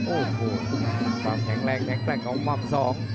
โอ้โหความแข็งแรงแข็งแปลกของความสอง